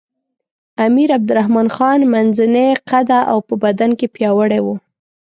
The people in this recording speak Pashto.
امیر عبدالرحمن خان منځنی قده او په بدن کې پیاوړی وو.